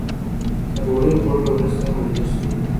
تر ډوډۍ خوړلو وروسته هم مجلس تود و.